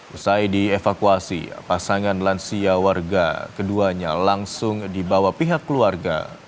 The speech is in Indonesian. usai dievakuasi pasangan lansia warga keduanya langsung dibawa pihak keluarga